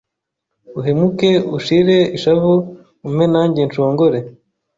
Uhumeke ushire ishavu Umpe nanjye Nshongore